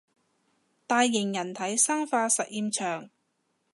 大型人體生化實驗場